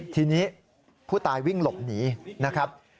ทีนี้ผู้ตายวิ่งหลบหนีนะครับ